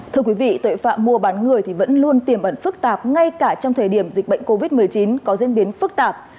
thưa quý vị tội phạm mua bán người vẫn luôn tiềm ẩn phức tạp ngay cả trong thời điểm dịch bệnh covid một mươi chín có diễn biến phức tạp